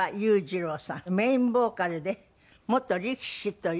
メインボーカルで元力士という。